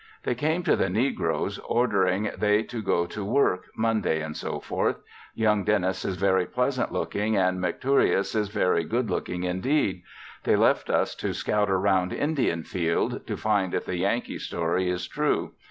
They came to the negroes, ordering they to go to work Monday, &c. Young Dennis is very pleasant looking and McTureous is very good looking indeed. They left us to scout around Indianfield, to find if the Yankee story is true.